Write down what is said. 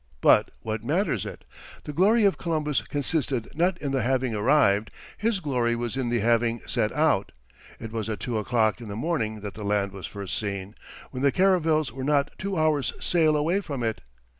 But what matters it? The glory of Columbus consisted not in the having arrived, his glory was in the having set out. It was at two o'clock in the morning that the land was first seen, when the caravels were not two hours' sail away from it.